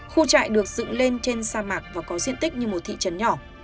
khu trại được dựng lên trên sa mạc và có diện tích như một thị trấn nhỏ